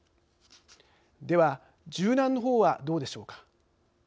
では柔軟の方はどうでしょうか。